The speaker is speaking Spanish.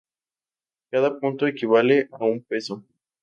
Cada punto equivale a un peso.